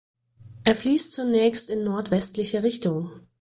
Er fließt zunächst in nordwestliche Richtung.